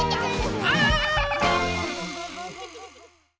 あ！